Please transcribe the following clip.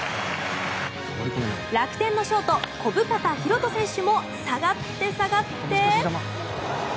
楽天のショート小深田大翔選手も下がって、下がって。